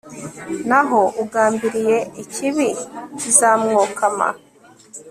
naho ugambiriye ikibi, kizamwokama